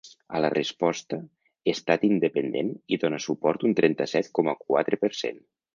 A la resposta ‘estat independent’ hi dóna suport un trenta-set coma quatre per cent.